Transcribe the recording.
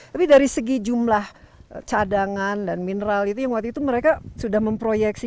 tapi dari segi jumlah cadangan dan mineral itu yang waktu itu mereka sudah memproyeksi